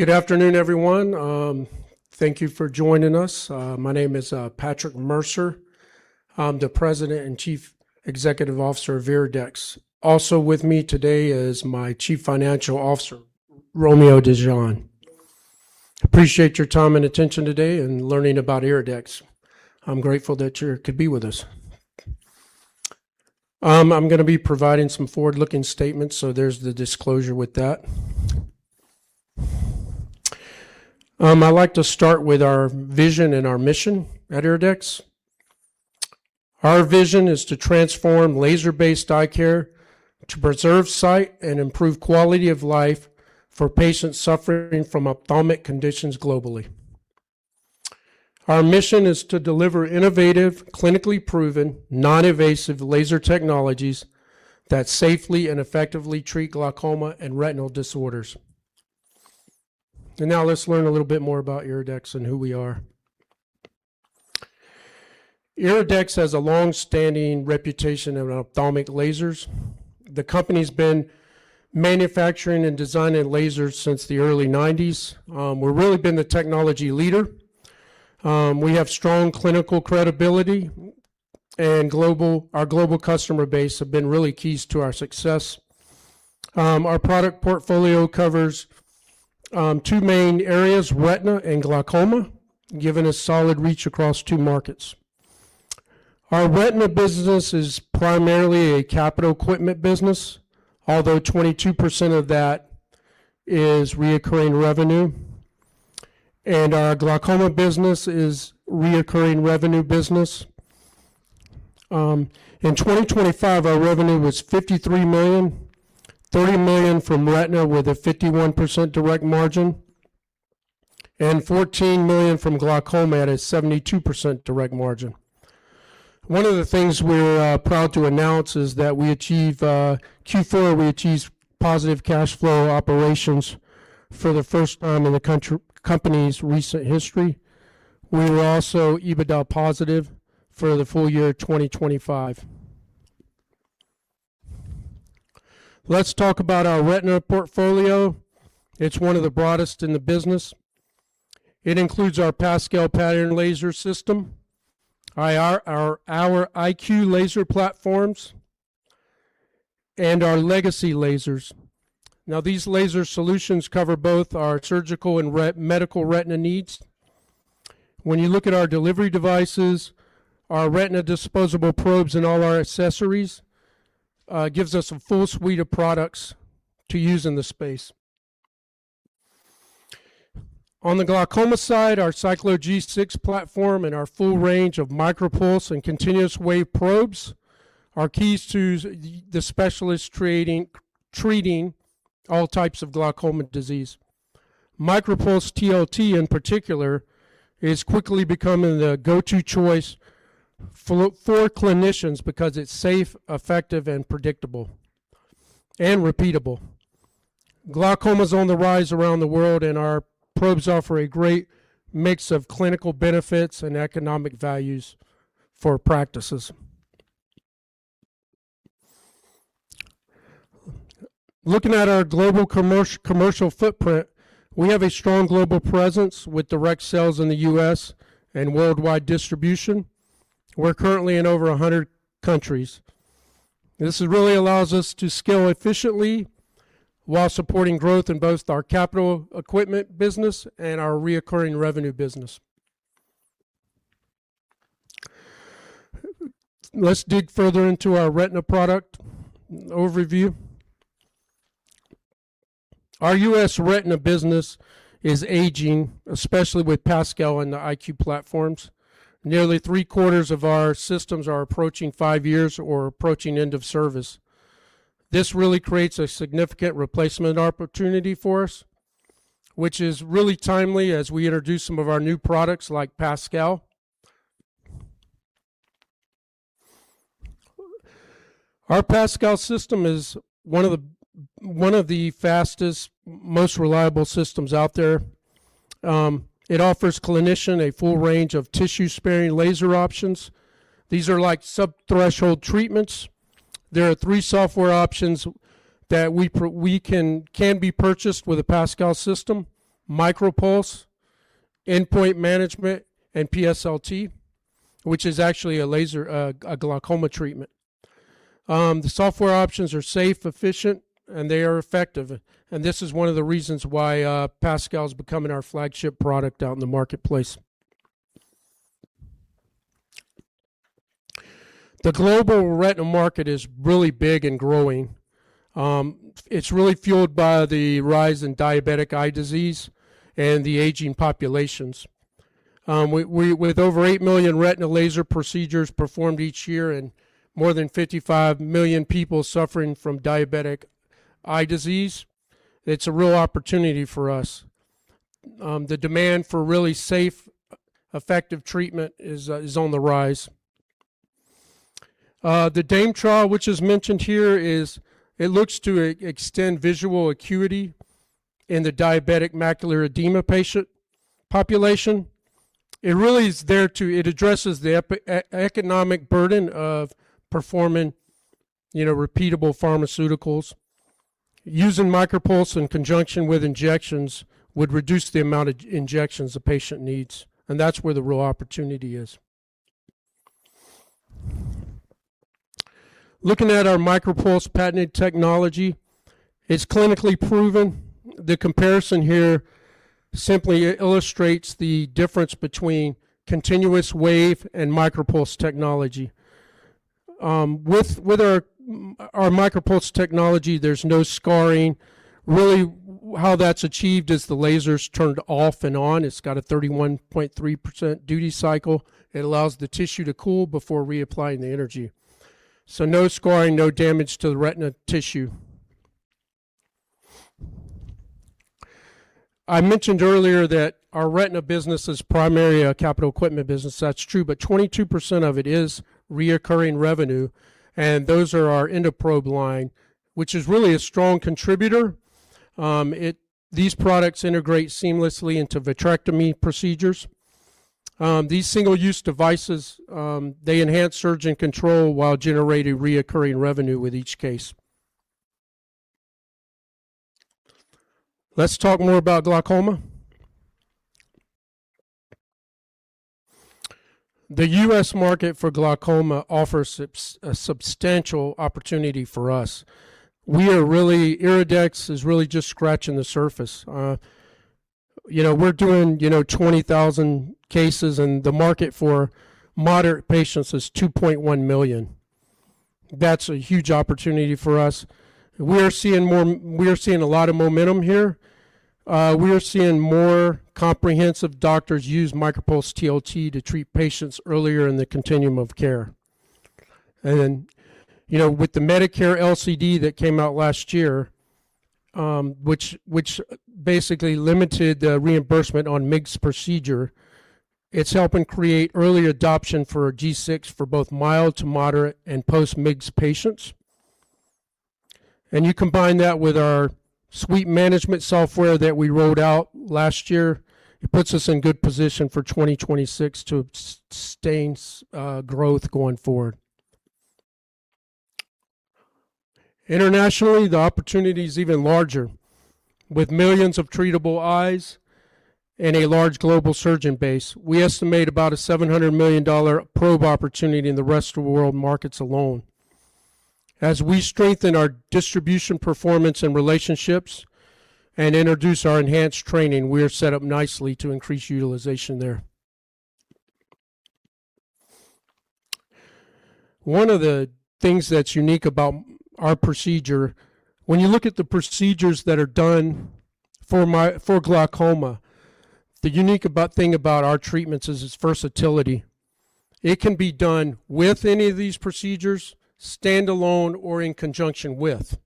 Good afternoon, everyone. Thank you for joining us. My name is Patrick Mercer. I'm the President and Chief Executive Officer of IRIDEX. Also with me today is my Chief Financial Officer, Romeo Dizon. Appreciate your time and attention today in learning about IRIDEX. I'm grateful that you could be with us. I'm going to be providing some forward-looking statements, so there's the disclosure with that. I'd like to start with our vision and our mission at IRIDEX. Our vision is to transform laser-based eye care to preserve sight and improve quality of life for patients suffering from ophthalmic conditions globally. Our mission is to deliver innovative, clinically proven, non-invasive laser technologies that safely and effectively treat glaucoma and retinal disorders. Let's learn a little more about IRIDEX and who we are. IRIDEX has a long-standing reputation in ophthalmic lasers. The company's been manufacturing and designing lasers since the early '90s. We've really been the technology leader. We have strong clinical credibility, and our global customer base have been really keys to our success. Our product portfolio covers two main areas, retina and glaucoma, giving a solid reach across two markets. Our retina business is primarily a capital equipment business, although 22% of that is reoccurring revenue. Our glaucoma business is reoccurring revenue business. In 2025, our revenue was $53 million, $30 million from retina with a 51% direct margin, and $14 million from glaucoma at a 72% direct margin. One of the things we're proud to announce is that Q4, we achieved positive cash flow operations for the first time in the company's recent history. We were also EBITDA positive for the full year 2025. Let's talk about our retina portfolio. It's one of the broadest in the business. It includes our PASCAL pattern laser system, our IQ laser platforms, and our legacy lasers. These laser solutions cover both our surgical and medical retina needs. When you look at our delivery devices, our retina disposable probes, and all our accessories, it gives us a full suite of products to use in the space. On the glaucoma side, our Cyclo G6 platform and our full range of MicroPulse and continuous wave probes are keys to the specialist treating all types of glaucoma disease. MicroPulse TLT in particular is quickly becoming the go-to choice for clinicians because it's safe, effective, and predictable, and repeatable. Glaucoma's on the rise around the world, and our probes offer a great mix of clinical benefits and economic values for practices. Looking at our global commercial footprint, we have a strong global presence with direct sales in the U.S. and worldwide distribution. We're currently in over 100 countries. This really allows us to scale efficiently while supporting growth in both our capital equipment business and our reoccurring revenue business. Let's dig further into our retina product overview. Our U.S. retina business is aging, especially with PASCAL and the IQ platforms. Nearly three-quarters of our systems are approaching five years or approaching end of service. This really creates a significant replacement opportunity for us, which is really timely as we introduce some of our new products like PASCAL. Our PASCAL system is one of the fastest, most reliable systems out there. It offers clinician a full range of tissue-sparing laser options. These are like sub-threshold treatments. There are three software options that can be purchased with a PASCAL system. MicroPulse, Endpoint Management, and PSLT, which is actually a glaucoma treatment. The software options are safe, efficient, and they are effective. This is one of the reasons why PASCAL's becoming our flagship product out in the marketplace. The global retina market is really big and growing. It's really fueled by the rise in diabetic eye disease and the aging populations. With over 8 million retina laser procedures performed each year and more than 55 million people suffering from diabetic eye disease, it's a real opportunity for us. The demand for really safe, effective treatment is on the rise. The DAME trial, which is mentioned here, it looks to extend visual acuity in the diabetic macular edema patient population. It addresses the economic burden of performing repeatable pharmaceuticals. Using MicroPulse in conjunction with injections would reduce the amount of injections a patient needs. That's where the real opportunity is. Looking at our MicroPulse patented technology, it's clinically proven. The comparison here simply illustrates the difference between continuous wave and MicroPulse technology. With our MicroPulse technology, there's no scarring. Really, how that's achieved is the laser's turned off and on. It's got a 31.3% duty cycle. It allows the tissue to cool before reapplying the energy. No scarring, no damage to the retina tissue. I mentioned earlier that our retina business is primarily a capital equipment business. That's true, but 22% of it is reoccurring revenue, and those are our EndoProbe line, which is really a strong contributor. These products integrate seamlessly into vitrectomy procedures. These single-use devices enhance surgeon control while generating reoccurring revenue with each case. Let's talk more about glaucoma. The U.S. market for glaucoma offers a substantial opportunity for us. IRIDEX is really just scratching the surface. We're doing 20,000 cases, and the market for moderate patients is 2.1 million. That's a huge opportunity for us. We're seeing a lot of momentum here. We are seeing more comprehensive doctors use MicroPulse TLT to treat patients earlier in the continuum of care. Then, with the Medicare LCD that came out last year, which basically limited reimbursement on MIGS procedure, it's helping create early adoption for G6 for both mild to moderate and post-MIGS patients. You combine that with our Sweep Management Software that we rolled out last year, it puts us in good position for 2026 to sustain growth going forward. Internationally, the opportunity is even larger, with millions of treatable eyes and a large global surgeon base. We estimate about a $700 million probe opportunity in the rest of the world markets alone. As we strengthen our distribution performance and relationships and introduce our enhanced training, we are set up nicely to increase utilization there. One of the things that's unique about our procedure, when you look at the procedures that are done for glaucoma, the unique thing about our treatments is its versatility. It can be done with any of these procedures, standalone or in conjunction with.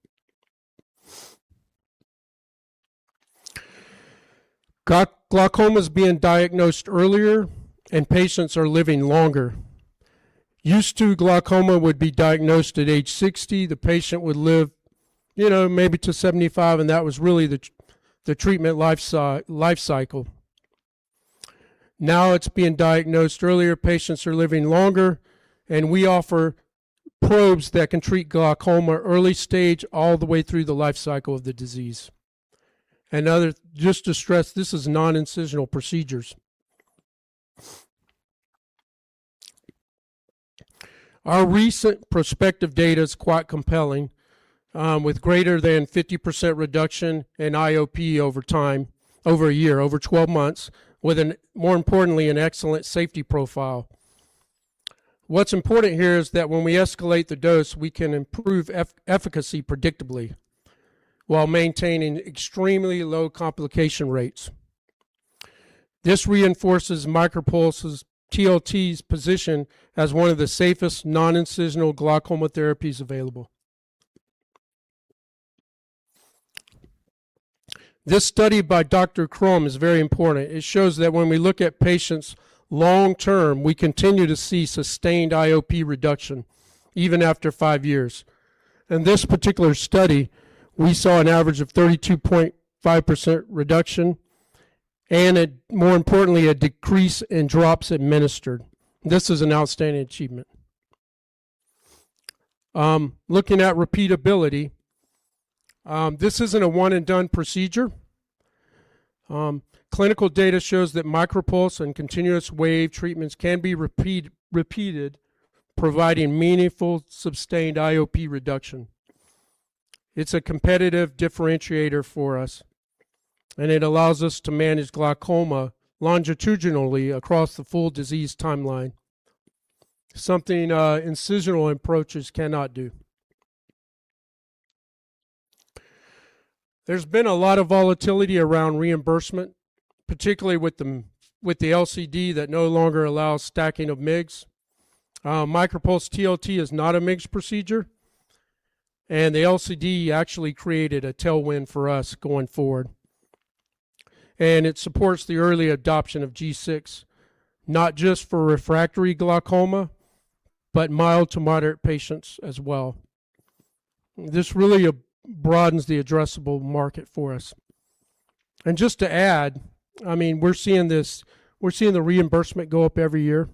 Glaucoma's being diagnosed earlier, and patients are living longer. Used to, glaucoma would be diagnosed at age 60. The patient would live maybe to 75, and that was really the treatment life cycle. Now it's being diagnosed earlier, patients are living longer, and we offer probes that can treat glaucoma early stage all the way through the life cycle of the disease. Just to stress, this is non-incisional procedures. Our recent prospective data is quite compelling, with greater than 50% reduction in IOP over time, over a year, over 12 months, with more importantly, an excellent safety profile. What's important here is that when we escalate the dose, we can improve efficacy predictably while maintaining extremely low complication rates. This reinforces MicroPulse TLT's position as one of the safest non-incisional glaucoma therapies available. This study by Dr. Kron is very important. It shows that when we look at patients long-term, we continue to see sustained IOP reduction even after five years. In this particular study, we saw an average of 32.5% reduction, and more importantly, a decrease in drops administered. This is an outstanding achievement. Looking at repeatability, this isn't a one-and-done procedure. Clinical data shows that MicroPulse and continuous wave treatments can be repeated, providing meaningful, sustained IOP reduction. It's a competitive differentiator for us, it allows us to manage glaucoma longitudinally across the full disease timeline, something incisional approaches cannot do. There's been a lot of volatility around reimbursement, particularly with the LCD that no longer allows stacking of MIGS. MicroPulse TLT is not a MIGS procedure, the LCD actually created a tailwind for us going forward. It supports the early adoption of G6, not just for refractory glaucoma, but mild to moderate patients as well. This really broadens the addressable market for us. Just to add, we're seeing the reimbursement go up every year,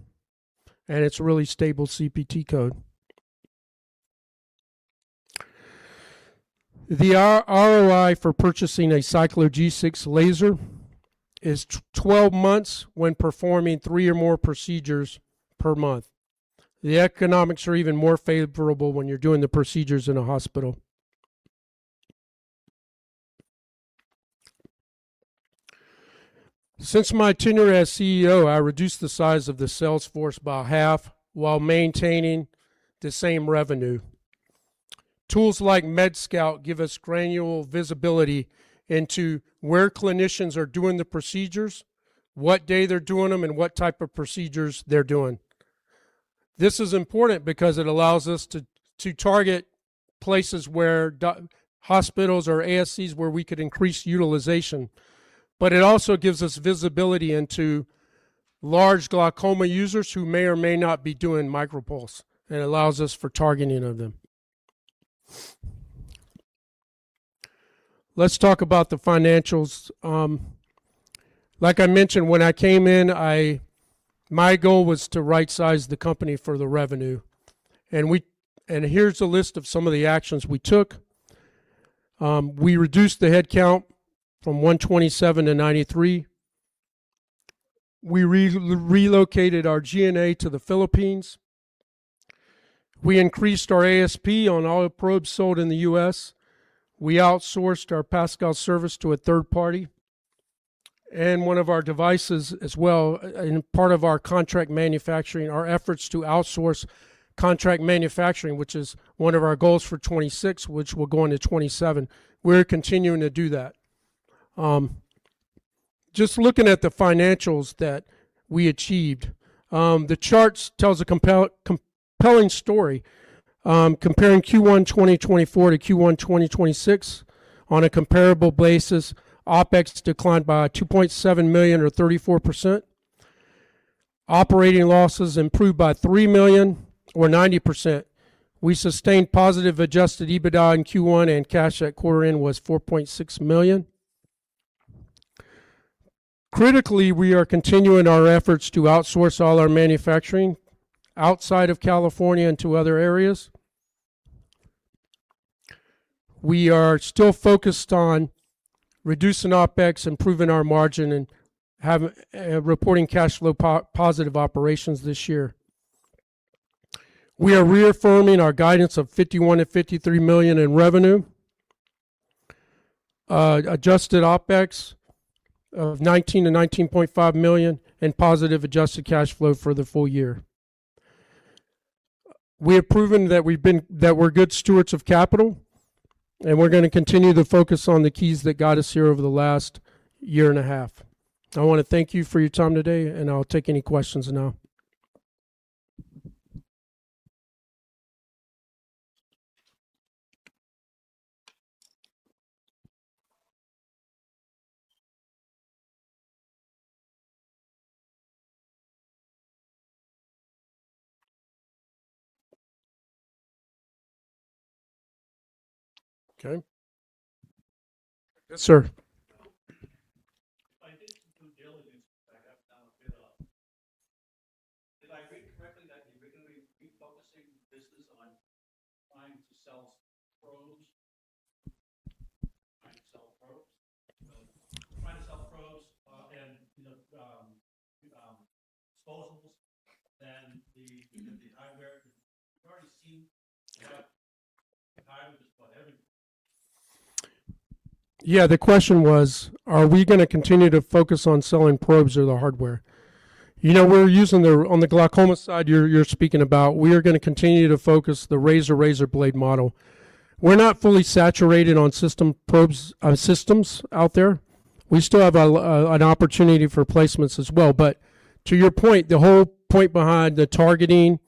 and it's a really stable CPT code. The ROI for purchasing a Cyclo G6 laser is 12 months when performing three or more procedures per month. The economics are even more favorable when you're doing the procedures in a hospital. Since my tenure as CEO, I reduced the size of the sales force by half while maintaining the same revenue. Tools like MedScout give us granular visibility into where clinicians are doing the procedures, what day they're doing them, and what type of procedures they're doing. This is important because it allows us to target places where hospitals or ASCs where we could increase utilization. It also gives us visibility into large glaucoma users who may or may not be doing MicroPulse, and allows us for targeting of them. Let's talk about the financials. Like I mentioned, when I came in, my goal was to right-size the company for the revenue. Here's a list of some of the actions we took. We reduced the headcount from 127 to 93. We relocated our G&A to the Philippines. We increased our ASP on all the probes sold in the U.S. We outsourced our PASCAL service to a third party, one of our devices as well, part of our contract manufacturing, our efforts to outsource contract manufacturing, which is one of our goals for 2026, which will go into 2027. We're continuing to do that. Looking at the financials that we achieved. The charts tells a compelling story. Comparing Q1 2024 to Q1 2026, on a comparable basis, OpEx declined by $2.7 million or 34%. Operating losses improved by $3 million or 90%. We sustained positive adjusted EBITDA in Q1, and cash at quarter end was $4.6 million. Critically, we are continuing our efforts to outsource all our manufacturing outside of California into other areas. We are still focused on reducing OpEx, improving our margin, and reporting cash flow positive operations this year. We are reaffirming our guidance of $51 million-$53 million in revenue. Adjusted OpEx of $19 million-$19.5 million and positive adjusted cash flow for the full year. We have proven that we're good stewards of capital. We're going to continue to focus on the keys that got us here over the last year and a half. I want to thank you for your time today. I'll take any questions now. Okay. Yes, sir. I did some due diligence because I have now. Did I read correctly that you're going to be refocusing the business on trying to sell probes? Yeah, the question was, are we going to continue to focus on selling probes or the hardware? On the glaucoma side you're speaking about, we are going to continue to focus the razor blade model. We're not fully saturated on system probes systems out there. We still have an opportunity for placements as well. To your point, the whole point behind the targeting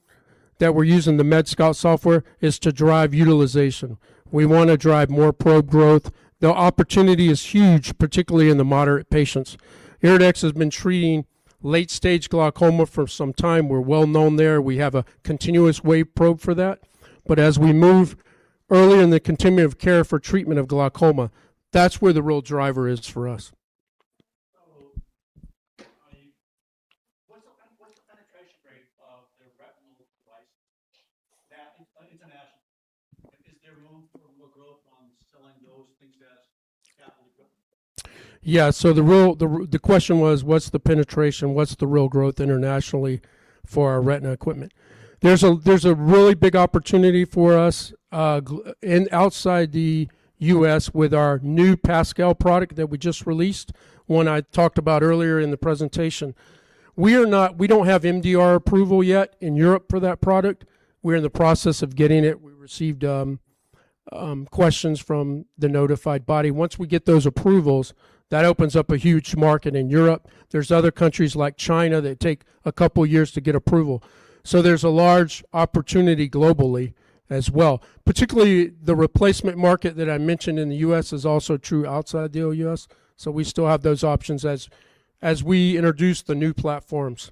that we're using the MedScout software is to drive utilization. We want to drive more probe growth. The opportunity is huge, particularly in the moderate patients. IRIDEX has been treating late-stage glaucoma for some time. We're well-known there. We have a continuous wave probe for that. As we move early in the continuum of care for treatment of glaucoma, that's where the real driver is for us. What's the penetration rate of the retinal device internationally? Is there room for more growth on selling those things as capital equipment? The question was, what's the penetration? What's the real growth internationally for our retina equipment? There's a really big opportunity for us outside the U.S. with our new PASCAL product that we just released, one I talked about earlier in the presentation. We don't have MDR approval yet in Europe for that product. We're in the process of getting it. We received questions from the notified body. Once we get those approvals, that opens up a huge market in Europe. There's other countries like China that take a couple of years to get approval. There's a large opportunity globally as well. Particularly the replacement market that I mentioned in the U.S. is also true outside the U.S. We still have those options as we introduce the new platforms.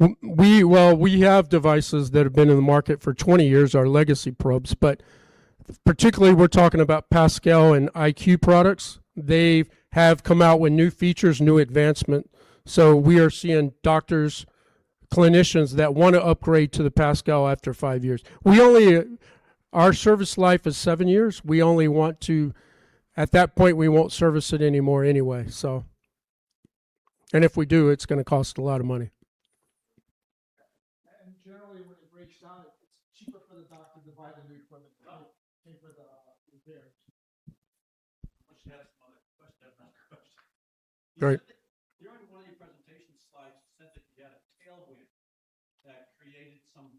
Why are these devices being replaced? Why? We have devices that have been in the market for 20 years, our legacy probes, but particularly we're talking about PASCAL and IQ products. They have come out with new features, new advancement. We are seeing doctors, clinicians that want to upgrade to the PASCAL after five years. Our service life is seven years. At that point, we won't service it anymore anyway. If we do, it's going to cost a lot of money. Generally, when it breaks down, it's cheaper for the doctor to buy the new equipment than pay for the repairs. I want you to ask another question. Great. During one of your presentation slides, you said that you had a tailwind that created some.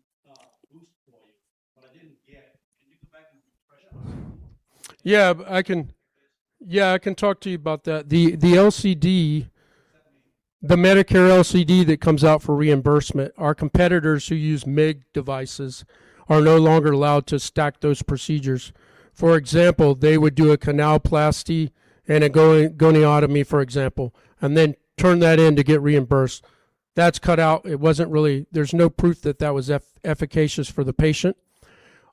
Yeah. I can talk to you about that. The Medicare LCD that comes out for reimbursement, our competitors who use MIGS devices are no longer allowed to stack those procedures. For example, they would do a canaloplasty and a goniotomy, for example, and then turn that in to get reimbursed. That's cut out. There's no proof that that was efficacious for the patient.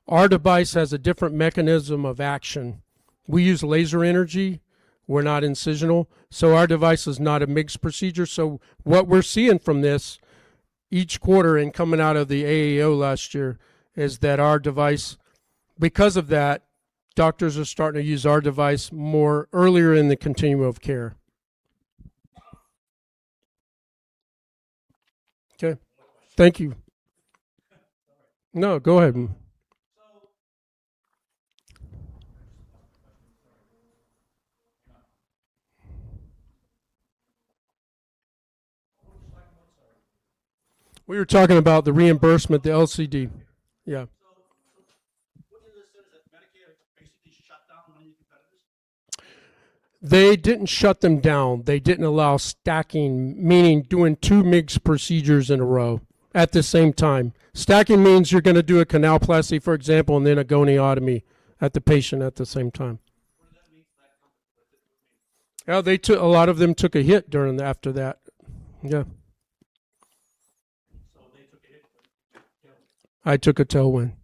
Our device has a different mechanism of action. We use laser energy. We're not incisional, so our device is not a MIGS procedure. What we're seeing from this each quarter and coming out of the AAO last year is that our device, because of that, doctors are starting to use our device more earlier in the continuum of care. Okay. Thank you. No, go ahead. We were talking about the reimbursement, the LCD. Yeah. What you just said is that Medicare basically shut down one of your competitors? They didn't shut them down. They didn't allow stacking, meaning doing two MIGS procedures in a row at the same time. stacking means you're going to do a canaloplasty, for example, and then a goniotomy at the patient at the same time. A lot of them took a hit after that. Yeah. I took a tailwind.